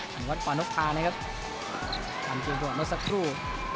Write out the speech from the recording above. หันวัดปอนกภานะครับกล่านที่หัวนกสักครู่